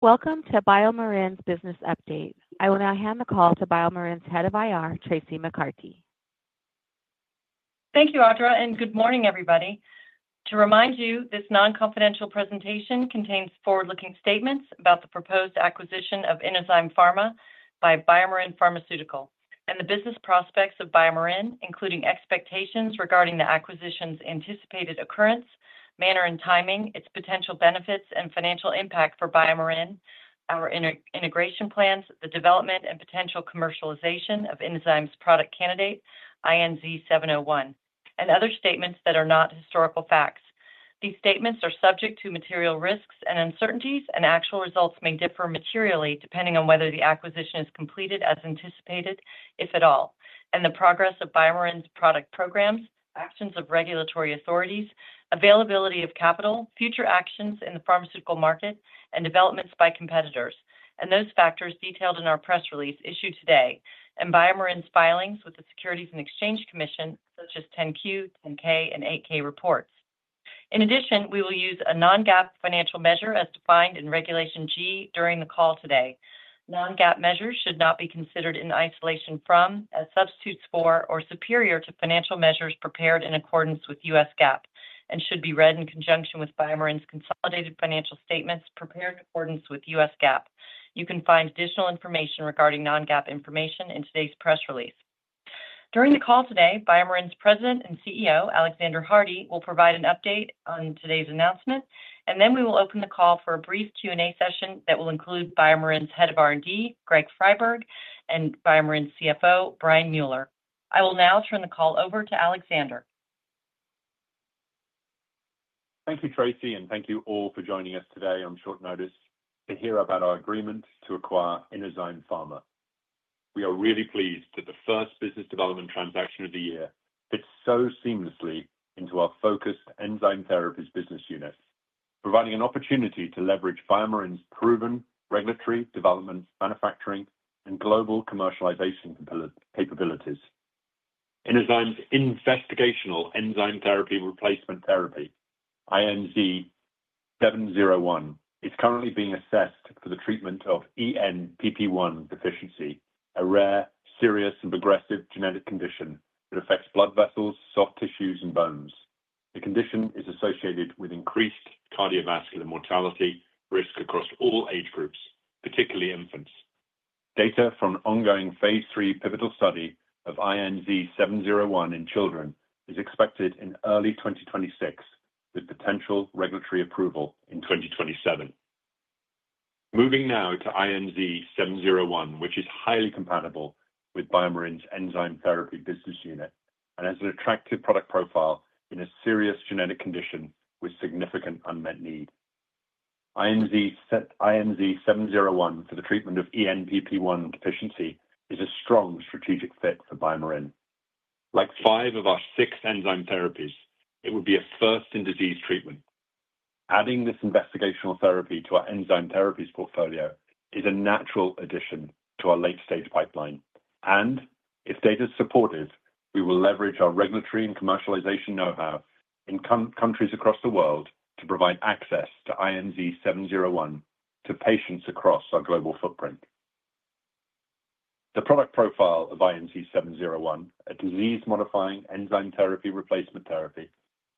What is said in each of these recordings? Welcome to BioMarin's business update. I will now hand the call to BioMarin's Head of IR Traci McCarty. Thank you Audra and good morning everybody. To remind you, this non-confidential presentation contains forward-looking statements about the proposed acquisition of Inozyme Pharma by BioMarin Pharmaceutical and the business prospects of BioMarin, including expectations regarding the acquisition's anticipated occurrence, manner and timing, its potential benefits and financial impact for BioMarin, our integration plans, the development and potential commercialization of Inozyme's product candidate INZ-701 and other statements that are not historical facts. These statements are subject to material risks and uncertainties and actual results may differ materially depending on whether the acquisition is completed as anticipated, if at all, and the progress of BioMarin's product programs, actions of regulatory authorities, availability of capital, future actions in the pharmaceutical market and developments by competitors and those factors detailed in our press release issued today and BioMarin's filings with the Securities and Exchange Commission such as 10-Q, 10-K and 8-K reports. In addition, we will use a non-GAAP financial measure as defined in Regulation G during the call today. Non-GAAP measures should not be considered in isolation from, as substitutes for, or superior to financial measures prepared in accordance with U.S. GAAP and should be read in conjunction with BioMarin's consolidated financial statements prepared in accordance with U.S. GAAP. You can find additional information regarding non-GAAP information in today's press release. During the call today, BioMarin's President and CEO Alexander Hardy will provide an update on today's announcement and then we will open the call for a brief Q&A session that will include BioMarin's Head of R&D Greg Friberg and BioMarin CFO Brian Mueller. I will now turn the call over to Alexander. Thank you Traci and thank you all for joining us today on short notice to hear about our agreement to acquire Inozyme Pharma. We are really pleased that the first business development transaction of the year fits so seamlessly into our focused Enzyme Therapies business unit, providing an opportunity to leverage BioMarin's proven regulatory development, manufacturing and global commercialization capabilities. Inozyme's investigational enzyme replacement therapy INZ-701 is currently being assessed for the treatment of ENPP1 deficiency, a rare, serious and progressive genetic condition that affects blood vessels, soft tissues and bones. The condition is associated with increased cardiovascular mortality risk across all age groups, particularly infants. Data from ongoing phase III pivotal study of INZ-701 in children is expected in early 2026 with potential regulatory approval in 2027. Moving now to INZ-701, which is highly compatible with BioMarin's enzyme therapy business unit and has an attractive product profile in a serious genetic condition with significant unmet need, INZ-701 for the treatment of ENPP1 deficiency is a strong strategic fit for BioMarin. Like five of our six enzyme therapies, it would be a first in disease treatment. Adding this investigational therapy to our enzyme therapies portfolio is a natural addition to our late stage pipeline and its data is supported. We will leverage our regulatory and commercialization know-how in countries across the world to provide access to INZ-701 to patients across our global footprint. The product profile of INZ-701, a disease modifying enzyme replacement therapy,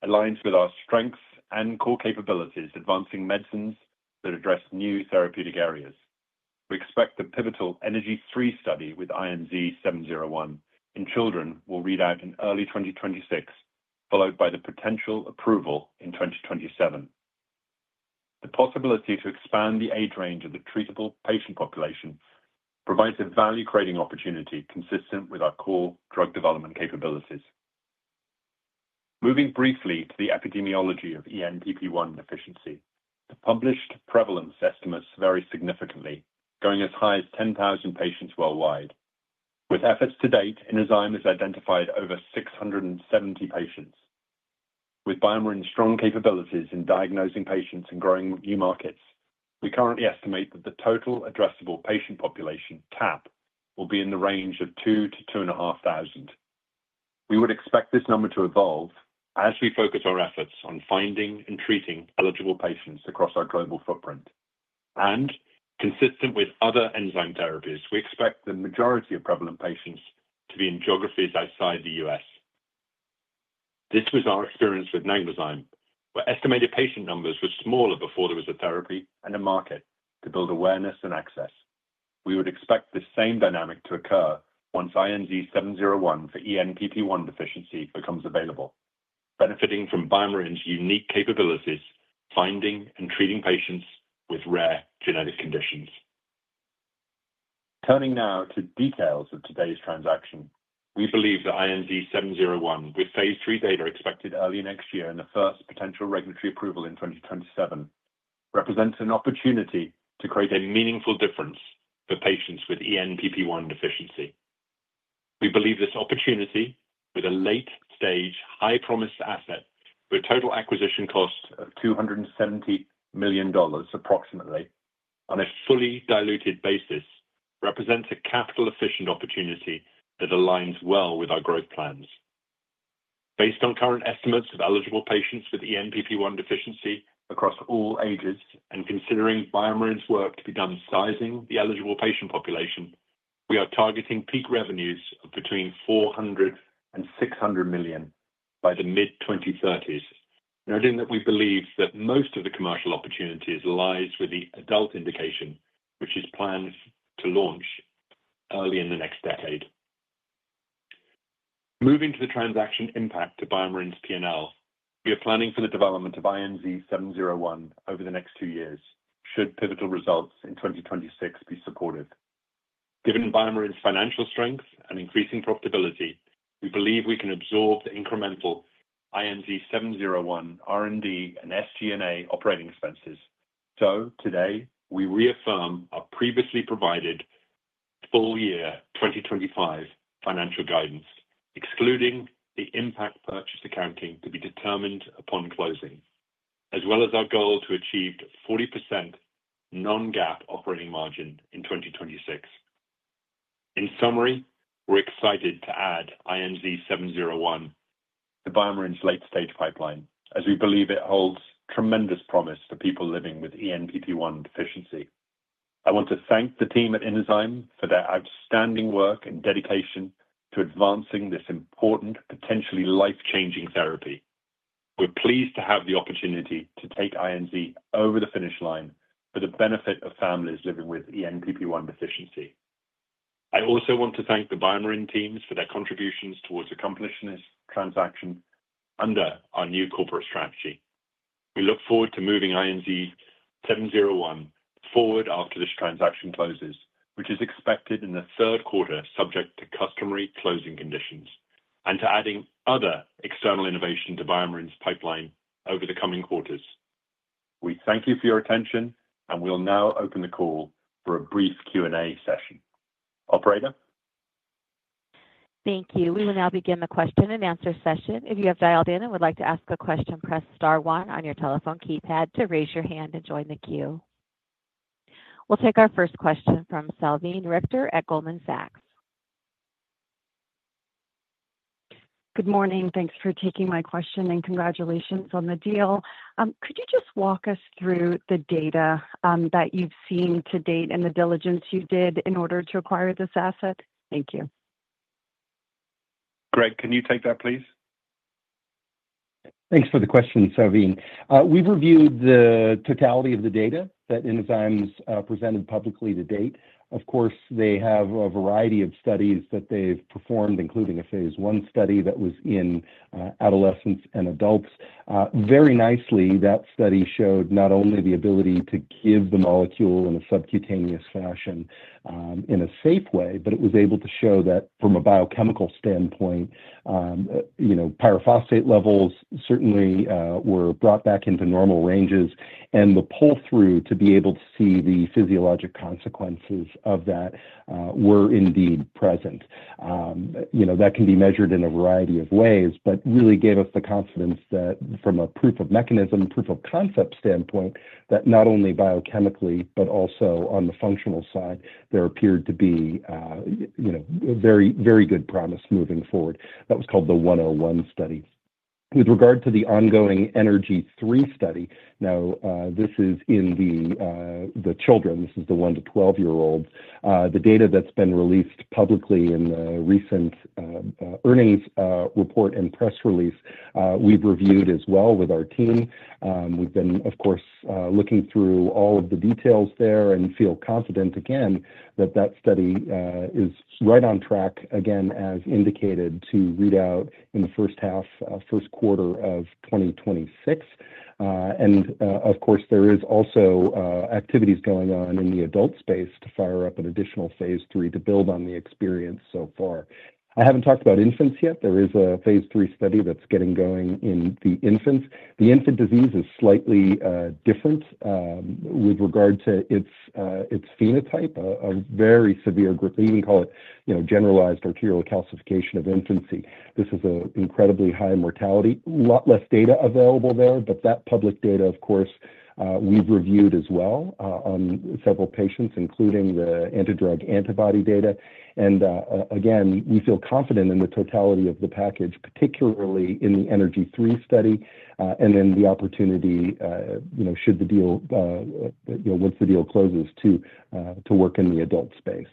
aligns with our strengths and core capabilities, advancing medicines that address new therapeutic areas. We expect the pivotal ENZ-003 study with INZ-701 in children will read out in early 2026, followed by the potential approval in 2027. The possibility to expand the age range of the treatable patient population provides a value-creating opportunity consistent with our core drug development capabilities. Moving briefly to the epidemiology of ENPP1 deficiency, the published prevalence estimates vary significantly, going as high as 10,000 patients worldwide with efforts. To date, Inozyme has identified over 670 patients. With BioMarin's strong capabilities in diagnosing patients and growing new markets, we currently estimate that the total addressable patient population TAP will be in the range of 2,000-2,500. We would expect this number to evolve as we focus our efforts on finding and treating eligible patients across our global footprint, and consistent with other enzyme therapies, we expect the majority of prevalent patients to be in geographies outside the U.S. This was our experience with Naglazyme where estimated patient numbers were smaller before there was a therapy and a market to build awareness and access. We would expect the same dynamic to occur once INZ-701 for ENPP1 deficiency becomes available. Benefiting from BioMarin's unique capabilities finding and treating patients with rare genetic conditions. Turning now to details of today's transaction, we believe that INZ-701, with phase III data expected early next year and the first potential regulatory approval in 2027, represents an opportunity to create a meaningful difference for patients with ENPP1 deficiency. We believe this opportunity with a late stage high promise asset. The total acquisition cost of $270 million approximately on a fully diluted basis represents a capital efficient opportunity that aligns well with our growth plans. Based on current estimates of eligible patients with ENPP1 deficiency across all ages, and considering BioMarin's work to be done sizing the eligible patient population, we are targeting peak revenues of between $450 million and $600 million by the mid-2030s. Noting that we believe that most of the commercial opportunity lies with the adult indication, which is planned to launch early in the next decade. Moving to the transaction impact to BioMarin's P&L, we are planning for the development of INZ-701 over the next two years, should pivotal results in 2026 be supportive. Given BioMarin's financial strength and increasing profitability, we believe we can absorb the incremental INZ-701 R&D and SG&A operating expenses. Today we reaffirm our previously provided full year 2025 financial guidance excluding the impact of purchase accounting to be determined upon closing, as well as our goal to achieve 40% non-GAAP operating margin in 2026. In summary, we're excited to add INZ-701 to BioMarin's late stage pipeline as we believe it holds tremendous promise for people living with ENPP1 deficiency. I want to thank the team at Inozyme for their outstanding work and dedication to advancing this important, potentially life changing therapy. We're pleased to have the opportunity to take INZ-701 over the finish line for the benefit of families living with ENPP1 deficiency. I also want to thank the BioMarin teams for their contributions towards accomplishing this transaction under our new corporate strategy. We look forward to moving INZ-701 forward after this transaction closes, which is expected in the third quarter, subject to customary closing conditions, and to adding other external innovation to BioMarin's pipeline over the coming quarters. We thank you for your attention, and we will now open the call for a brief Q&A session. Operator. Thank you. We will now begin the question and answer session. If you have dialed in and would like to ask a question, press star one on your telephone keypad to raise your hand and join the queue. We'll take our first question from Salveen Richter at Goldman Sachs. Good morning. Thanks for taking my question and congratulations on the deal. Could you just walk us through the? Data that you've seen to date. The diligence you did in order to acquire this asset? Thank you. Greg, can you take that please? Thanks for the question, Salveen. We've reviewed the totality of the data that Inozyme has presented publicly to date. Of course they have a variety of studies that they've performed, including a phase I study that was in adolescents and adults very nicely. That study showed not only the ability to give the molecule in a subcutaneous fashion in a safe way, but it was able to show that from a biochemical standpoint, you know, pyrophosphate levels certainly were brought back into normal ranges and the pull through to be able to see the physiologic consequences of that were indeed present. You know, that can be measured in a variety of ways, but really gave us the confidence that from a proof of mechanism, proof of concept standpoint, that not only biochemically but also on the functional side, there appeared to be, you know, very, very good promise moving forward. That was called the 101 Study with regard to the ongoing Energy3 study. Now this is in the children. This is the one-12 year old. The data that's been released publicly in the recent earnings report and press release we've reviewed as well with our team. We've been of course looking through all of the details there and feel confident again that that study is right on track again as indicated to read out in the first half, first quarter of 2026. Of course there is also activities going on in the adult space to fire up an additional phase III to build on the experience. So far I haven't talked about infants yet. There is a three study that's getting going in the infants. The infant disease is slightly different with regard to its phenotype, a very severe group. They even call it generalized arterial calcification of infancy. This is an incredibly high mortality. Lot less data available there. But that public data, of course we've reviewed as well on several patients, including the antidrug antibody data. Again we feel confident in the totality of the package, potentially particularly in the ENZ-003 study. The opportunity, you know, should the deal, you know, once the deal closes, to work in the adult space.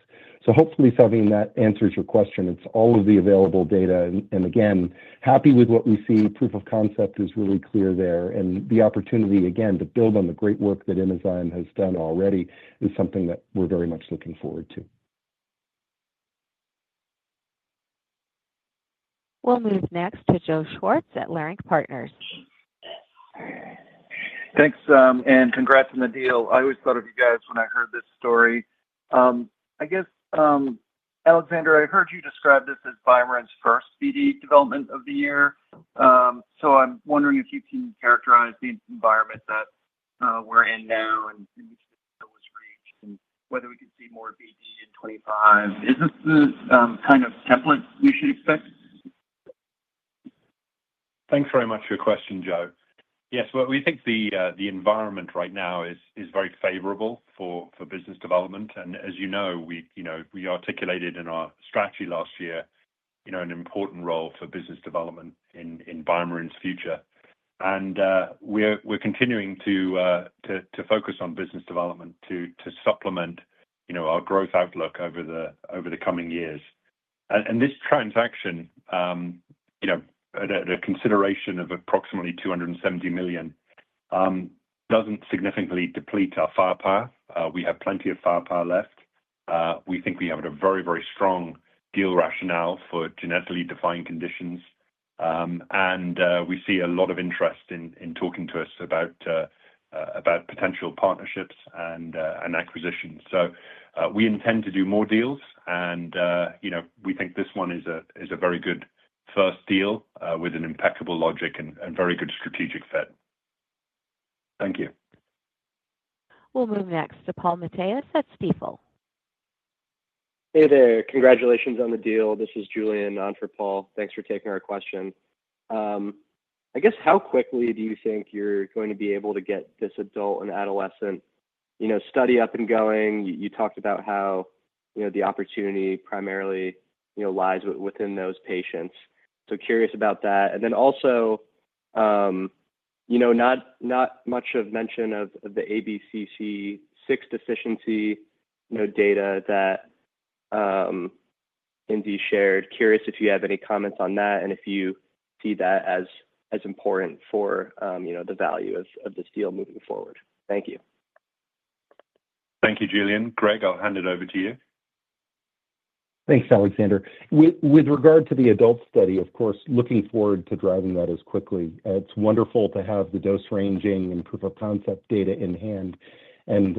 Hopefully, Salveen, that answers your question. It's all of the available data and again, happy with what we see. Proof of concept is really clear there and the opportunity again to build on the great work that Inozyme has done already is something that we're very much looking forward to. Next we'll move next to Joe Schwartz at Leerink Partners. Thanks and congrats on the deal. I always thought of you guys when I heard this story. I guess, Alexander, I heard you describe this as Brian's first BD development of the year. I am wondering if you can characterize the environment that we are in now, and in which the deal was reached, and whether we could see more BD in 2025. Is this the kind of template you should expect? Thanks very much for your question, Joe. Yes, we think the environment right now is very favorable for business development. As you know, we articulated in our strategy last year an important role for business development in BioMarin's future. We are continuing to focus on business development to supplement our growth outlook over the coming years. This transaction, at a consideration of approximately $270 million, does not significantly deplete our firepower. We have plenty of firepower left. We think we have a very, very strong deal rationale for genetically defined conditions. We see a lot of interest in talking to us about potential partnerships and acquisitions. We intend to do more deals and, you know, we think this one is a very good first deal with impeccable logic and very good strategic fit. Thank you. We'll move next to Paul Mateus at Stifel. Hey there. Congratulations on the deal. This is Julian for Paul. Thanks for taking our question. I guess how quickly do you think you're going to be able to get this adult and adolescent study up and going? You talked about how the opportunity primarily lies within those patients. Curious about that. Also, not much of mention of the ABCC6 deficiency data that Indy shared. Curious if you have any comments on that and if you see that as important for the value of this deal moving forward. Thank you. Thank you, Julian. Greg, I'll hand it over to you. Thanks, Alexander. With regard to the adult study, of course looking forward to driving that as quickly. It's wonderful to have the dose ranging and proof of concept data in hand and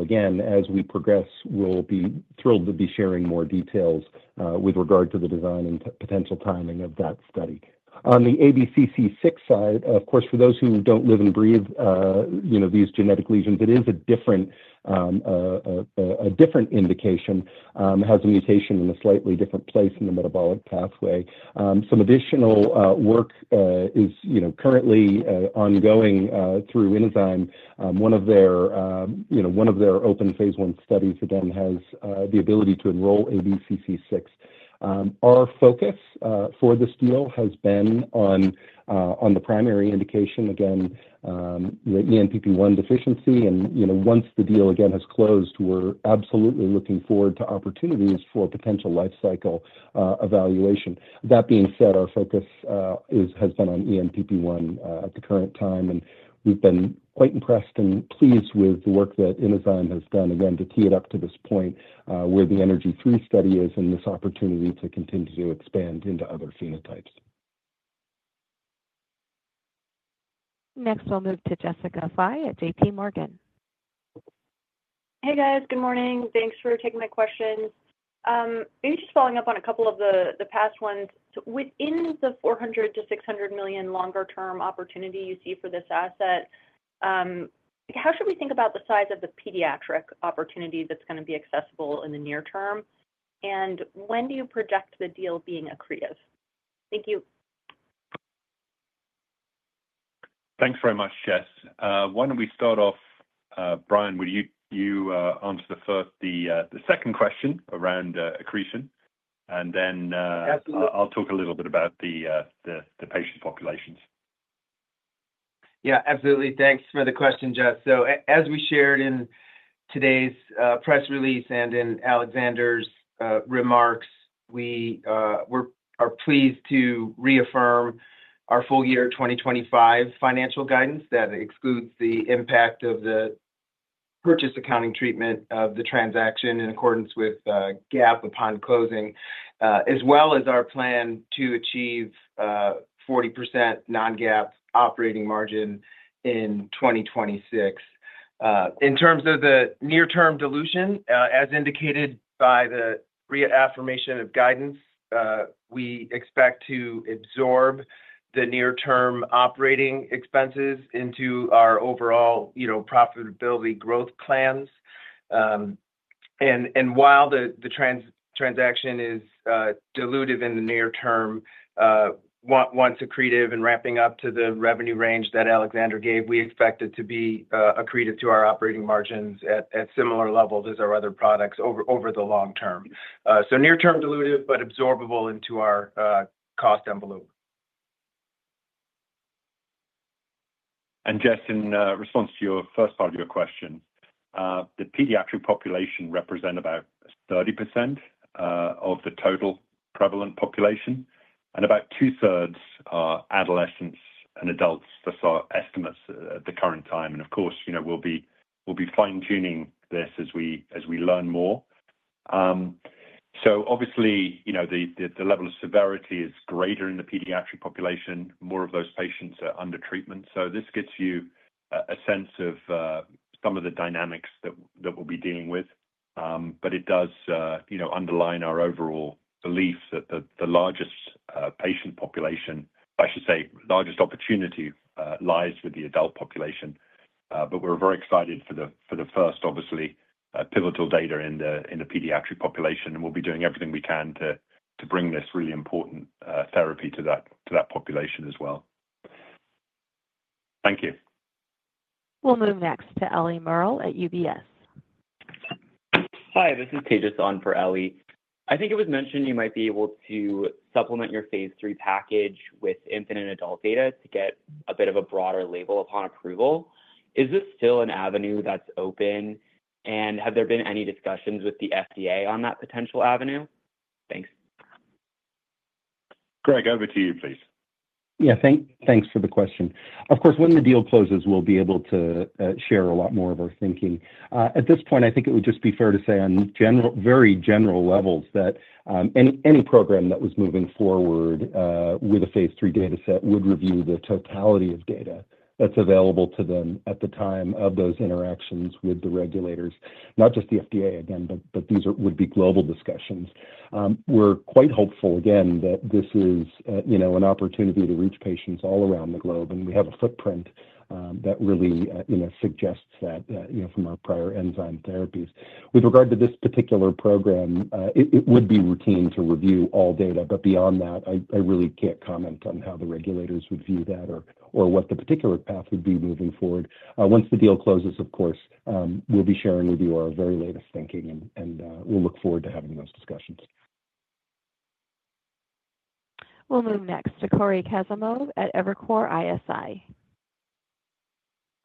again as we progress, will be thrilled to be sharing more details with regard to the design and potential timing of that study. On the ABCC6 side, of course, for those who don't live and breathe, you know, these genetic lesions, it is a different, a different indication, has a mutation in a slightly different place in the metabolic pathway. Some additional work is, you know, currently ongoing through Inozyme, one of their, you know, one of their open phase one studies again has the ability to enroll ABCC6. Our focus for this deal has been on the primary indication, again, ENPP1 deficiency. You know, once the deal again has closed, we're absolutely looking forward to opportunities for potential life cycle evaluation. That being said, our focus is, has been on ENPP1 at the current time and we've been quite impressed and pleased with the work that Inozyme has done. Again, to key it up to this point where the ENZ-003 study is and this opportunity to continue to expand into other phenotypes. Next we'll move to Jessica Fye. It's at Morgan Stanley. Hey guys, good morning. Thanks for taking my questions. Maybe just following up on a couple of the past ones. Within the $400-$600 million longer term opportunity you see for this asset, how should we think about the size of the pediatric opportunity that's going to be accessible in the near term? When do you project the deal being accretive? Thank you. Thanks very much. Jess, why don't we start off. Brian, would you answer the first, the second question around accretion and then I'll talk a little bit about the, the patient populations. Yeah, absolutely. Thanks for the question, Jess. As we shared in today's press release and in Alexander's remarks, we are pleased to reaffirm our full year 2025 financial guidance that excludes the impact of the purchase accounting treatment of the transaction in accordance with GAAP upon closing, as well as our plan to achieve 40% non-GAAP operating margin in 2026. In terms of the near term dilution as indicated by the reaffirmation of guidance, we expect to absorb the near term operating expenses into our overall, you know, profitability growth plans. While the transaction is dilutive in the near term, once accretive and ramping up to the revenue range that Alexander gave, we expect it to be accretive to our operating margins at similar levels as our other products over, over the long term. Near term dilutive but absorbable into our cost envelope. Jess, in response to your first part of your question, the pediatric population represent about 30% of the total prevalent population and about two thirds are adolescents and adults for estimates at the current time. Of course, you know, we'll be fine tuning this as we learn more. Obviously, you know, the level of severity is greater in the pediatric population. More of those patients are under treatment. This gets you a sense of some of the dynamics that we'll be dealing with. It does, you know, underline our overall belief that the largest patient population, I should say largest opportunity, lies with the adult population. We're very excited for the first obviously pivotal data in the pediatric population. We will be doing everything we can to bring this really important therapy to that population as well. Thank you. We'll move next to Ellie Merle at UBS. Hi, this is Tejas on for Ellie. I think it was mentioned you might be able to supplement your phase III package with infant and adult data to get a bit of a broader label upon approval. Is this still an avenue that's open and have there been any discussions with the FDA on that potential avenue? Thanks. Greg, over to you please. Yeah, thanks for the question. Of course, when the deal closes, we'll be able to share a lot more of our thinking. At this point, I think it would just be fair to say on very general levels that any program that was moving forward with a phase III data set would review the totality of data that's available to them at the time of those interactions with the regulators, not just the FDA again, but these would be global discussions. We're quite hopeful again that this is, you know, an opportunity to reach patients all around the globe. We have a footprint that really suggests that from our prior enzyme therapies. With regard to this particular program, it would be routine to review all data. Beyond that, I really can't comment on how the regulators would view that or what the particular path would be moving forward. Once the deal closes, of course, we'll be sharing with you our very latest thinking and we'll look forward to having those discussions. We'll move next to Cory Kazimov at Evercore ISI.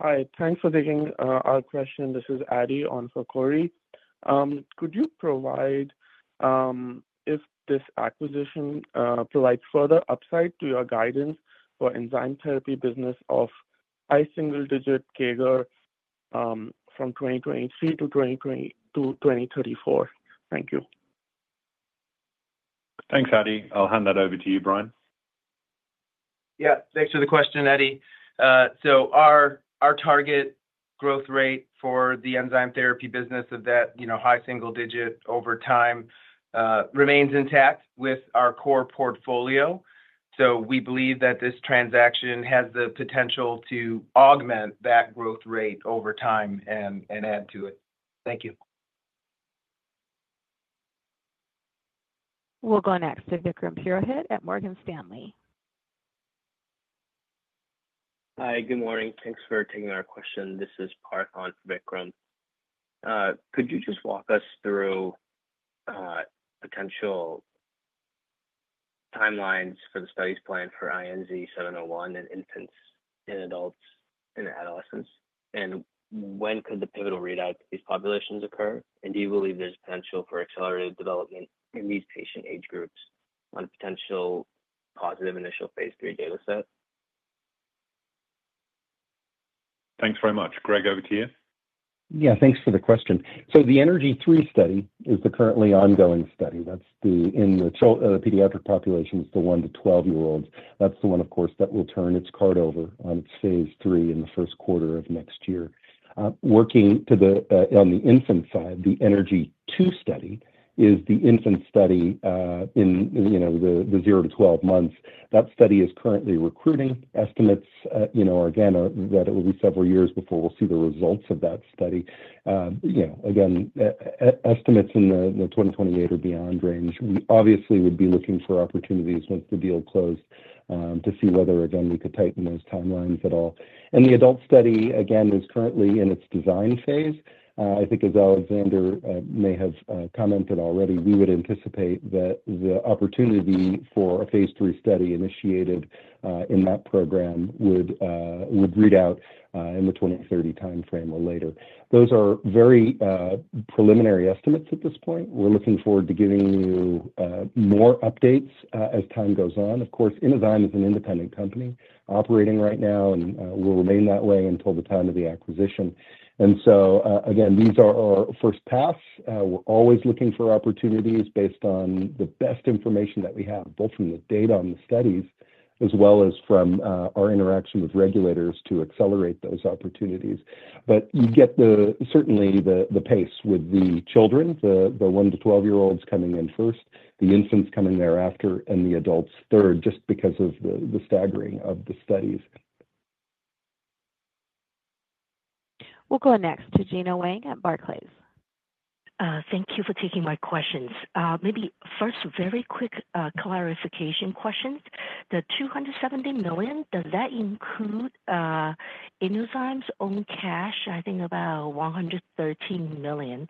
Hi, thanks for taking our question. This is Adi on for Cory. Could you provide if this acquisition provides further upside to your guidance for enzyme? Therapy business of high single digit CAGR from 2023 to 2034? Thank you. Thanks, Adi. I'll hand that over to you, Brian. Yeah, thanks for the question, Eddie. Our target growth rate for the enzyme therapy business of that, you know, high single digit over time remains intact with our core portfolio. We believe that this transaction has the potential to augment that growth rate over time and add to it. Thank you. We'll go next to Vikram Purohit at Morgan Stanley. Hi, good morning. Thanks for taking our question. This is Parth on Vikram, could you just walk us through potential timelines for the studies planned for INZ-701 in infants and adults and adolescents and when could the pivotal readout in these populations occur and do you believe there's potential for accelerated development in these patient age groups on a potential positive initial phase III data set? Thanks very much. Greg, over to you. Yeah, thanks for the question. The ENERGY3 study is the currently ongoing study that's in the pediatric populations, the one-12 year olds. That's the one, of course, that will turn its card over on its phase III in the first quarter of next year. Working on the infant side, the ENERGY2 study is the infant study in, you know, the zero-12 months. That study is currently recruiting estimates. You know, again, that it will be several years before we'll see the results of that study. You know, again, estimates in the 2028 or beyond range. We obviously would be looking for opportunities once the deal closed to see whether, again, we could tighten those timelines at all. The adult study, again, is currently in its design phase. I think as Alexander may have commented already, we would anticipate that the opportunity for a phase III study initiated in that program would read out in the 2030 timeframe or later. Those are very preliminary estimates at this point. We're looking forward to giving you more updates as time goes on. Of course, Inozyme is an independent company operating right now and will remain that way until the time of the acquisition. These are our first pass. We're always looking for opportunities based on the best information that we have both from the data on the studies as well as from our interaction with regulators to accelerate those opportunities. You get certainly the pace with the children, the one-12 year olds coming in first, the infants coming thereafter, and the adults third, just because of the staggering of the studies. We'll go next to Gina Wang at Barclays. Thank you for taking my questions. Maybe first very quick clarification questions. The $270 million, does that include Inozyme's own cash? I think about $113 million.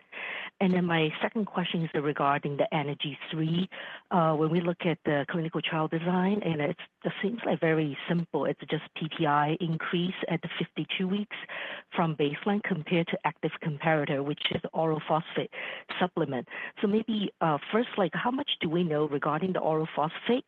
And then my second question is regarding the ENZ-003. When we look at the clinical trial design and it's the things are very simple. It's just PPI increase at the 52 weeks from baseline compared to active comparator which is oral phosphate supplement. Maybe first, like how much do we know regarding the oral phosphate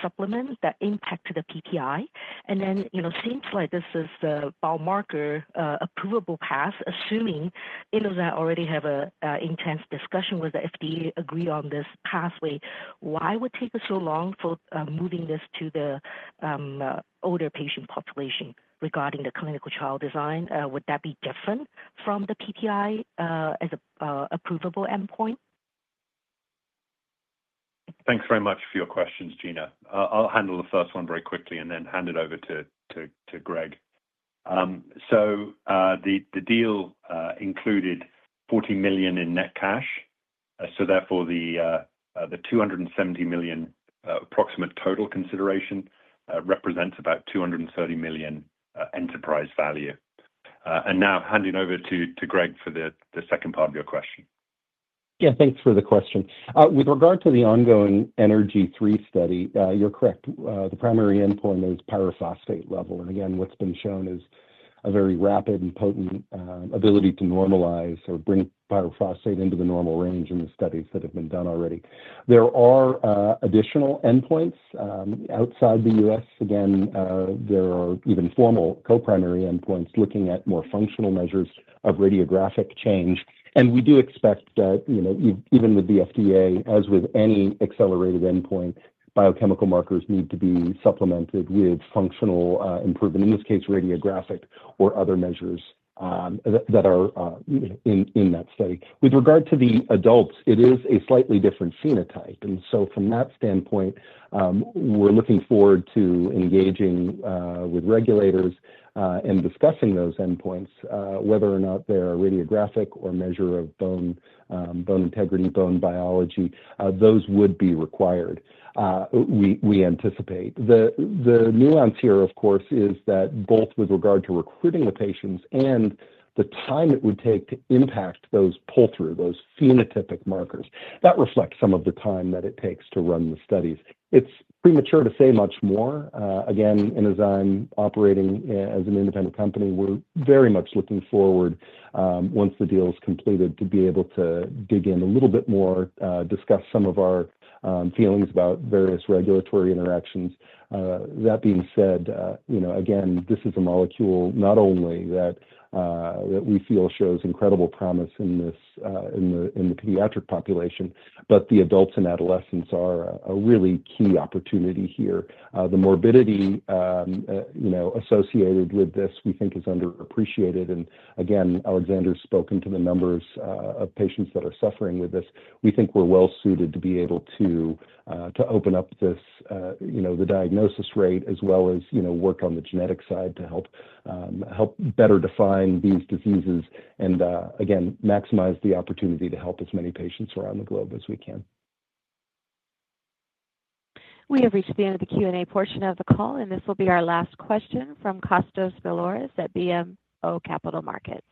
supplement that impacted the PPI? And then, you know, seems like this is the biomarker approvable path. Assuming, you know, that already have an intense discussion with the FDA, agree on this pathway. Why would it take so long for moving this to the older patients population? Regarding the clinical trial design, would that be different from the PPI as a provable endpoint? Thanks very much for your questions Gina. I'll handle the first one very quickly and then hand it over to Greg. The deal included $40 million in net cash. Therefore, the $270 million approximate total consideration represents about $230 million enterprise value. Now handing over to Greg for the second part of your question. Yeah, thanks for the question. With regard to the ongoing ENZ-003 study, you're correct. The primary endpoint is pyrophosphate level. And again, what's been shown is a very rapid and potent ability to normalize or bring pyrophosphate into the normal range. In the studies that have been done already, there are additional endpoints outside, outside the U.S. Again, there are even formal co-primary endpoints looking at more functional measures of radiographic change. And we do expect that, you know, even with the FDA, as with any accelerated endpoint, biochemical markers need to be supplemented with functional improvement. In this case radiographic or other measures that are in that study. With regard to the adults, it is a slightly different phenotype. And so from that standpoint, we're looking forward to engaging with regulators and discussing those endpoints. Whether or not they're radiographic or measure of bone integrity, bone biology, those would be required, we anticipate. The nuance here, of course, is that both with regard to recruiting the patients and the time it would take to impact those pull through those phenotypic markers, that reflects some of the time that it takes to run the studies. It's premature to say much more again. As I'm operating as an independent company, we're very much looking forward, once the deal is completed, to be able to dig in a little bit more, discuss some of our feelings about various regulatory interactions. That being said, you know, again, this is a molecule not only that we feel shows incredible promise in this, in the, in the pediatric population, but the adults and adolescents are a really key opportunity here. The morbidity, you know, associated with this, we think is underappreciated. Alexander's spoken to the numbers of patients that are suffering with this. We think we're well suited to be able to open up this, you know, the diagnosis rate as well as, you know, work on the genetic side to help better define these diseases and again, maximize the opportunity to help as many patients around the globe as we can. We have reached the end of the Q&A portion of the call and this will be our last question from Kostas Biliouris at BMO Capital Markets.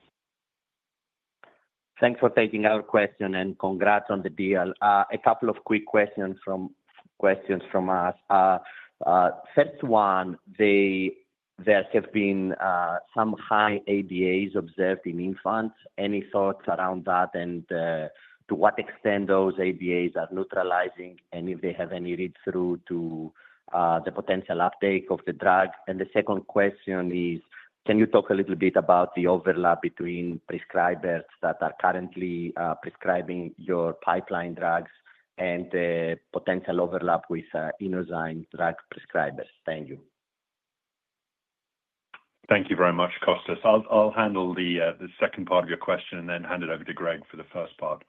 Thanks for taking our question and congrats on the deal. A couple of quick questions from us. First, one, there have been some high ADAs observed in infants. Any thoughts around that and to what extent those ADAs are neutralizing and if they have read through to the potential uptake of the drug? The second question is, can you talk a little bit about the overlap between prescribers that are currently prescribing your pipeline drugs and the potential overlap with Inozyme drug prescribers. Thank you. Thank you very much. Kostas, I'll handle the second part of your question and then hand it over to Greg for the first part.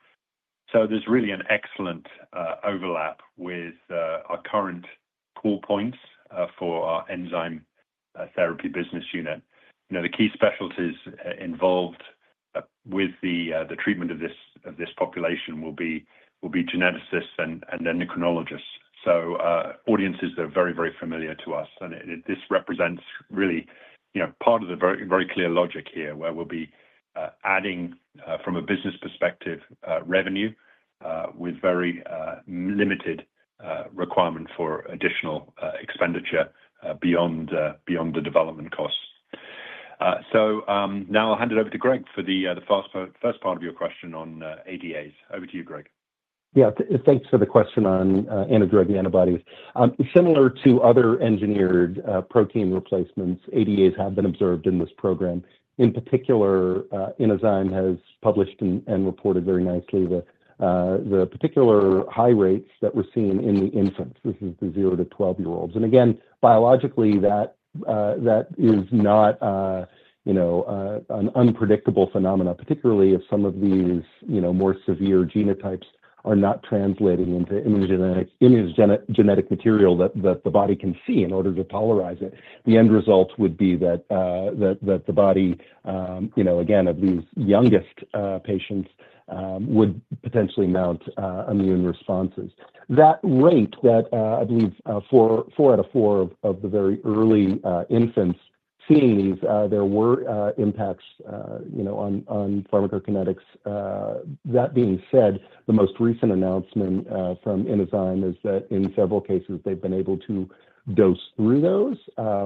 There's really an excellent overlap with our current call points for our enzyme therapy business unit. The key specialties involved with the treatment of this population will be geneticists and endocrinologists. Audiences are very, very familiar to us. This represents really part of the very clear logic here where we'll be adding from a business perspective, revenue with very limited requirement for additional expenditure beyond the development costs. Now I'll hand it over to Greg for the first part of your question on ADAs. Over to you, Greg. Yeah, thanks for the question. On antidrug antibodies, similar to other engineered protein replacement therapies, ADAs have been observed in this program. In particular, Inozyme has published and reported very nicely the particular high rates that were seen in the infants. This is the zero-12 year olds. Biologically, that is not, you know, an unpredictable phenomena, particularly if some of these, you know, more severe genotypes are not translated into immunogenic genetic material that the body can see in order to tolerate the end result. The body, you know, again, of these youngest patients would potentially mount immune responses. That rate, I believe four out of four of the very early infants seeing these, there were impacts, you know, on pharmacokinetics. That being said, the most recent announcement from Inozyme is that in several cases they've been able to dose through those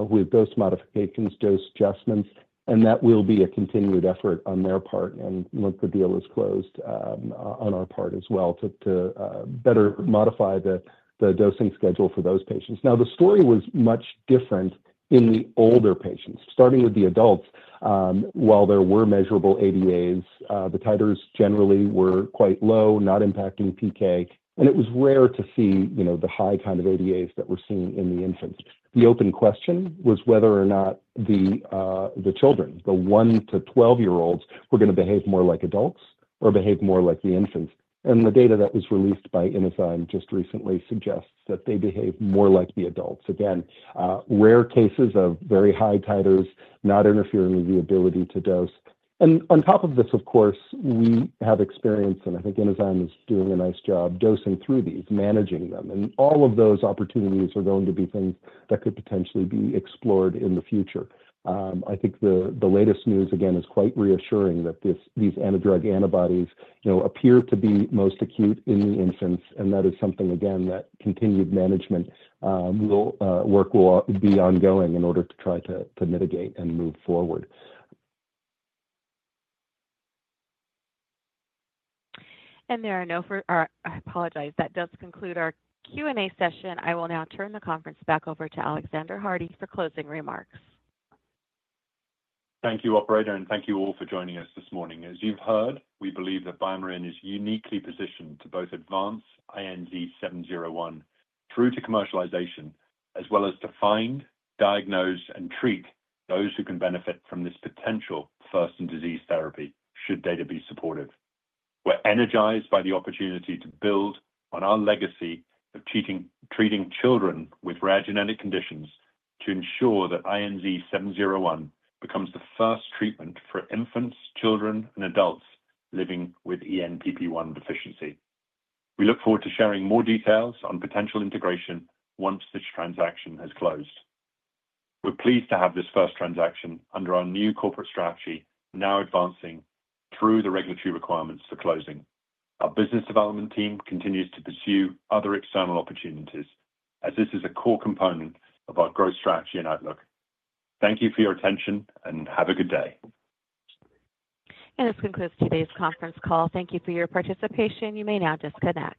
with dose modifications, dose adjustments, and that will be a continued effort on their part and once the deal is closed on our part as well to better modify the dosing schedule for those patients. Now, the story was much different in the older patients, starting with the adults. While there were measurable ADAs, the titers generally were quite low, not impacting PK. It was rare to see the high kind of ADAs that were seen in the infants. The open question was whether or not the children, the one-12 year olds, were going to behave more like adults or behave more like the infants. The data that was released by Inozyme just recently suggests that they behave more like the adults. Again, rare cases of very high titers not interfering with the ability to dose. On top of this, of course, we have experience and I think Inozyme is doing a nice job dosing through these, managing them. All of those opportunities are going to be things that could potentially be explored in the future. I think the latest news again is quite reassuring that these antidrug antibodies appear to be most acute in the infants and that is something, again, that continued management work will be ongoing in order to try to mitigate and move forward. There are no. I apologize. That does conclude our Q&A session. I will now turn the conference back over to Alexander Hardy for closing remarks. Thank you, operator and thank you all for joining us this morning. As you've heard, we believe that BioMarin is uniquely positioned to both advance INZ-701 through to commercialization, as well as to find, diagnose and treat those who can benefit from this potential first in disease therapy should data be supportive. We're energized by the opportunity to build on our legacy of treating children with rare genetic conditions to ensure that INZ-701 becomes the first treatment for infants, children and adults living with ENPP1 deficiency. We look forward to sharing more details on potential integration once this transaction has closed. We're pleased to have this first transaction under our new corporate strategy now advancing through the regulatory requirements for closing. Our business development team continues to pursue other external opportunities as this is a core component of our growth strategy and outlook. Thank you for your attention and have a good day. This concludes today's conference call. Thank you for your participation. You may now disconnect.